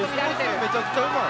操縦めちゃくちゃうまい。